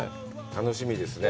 楽しみですね。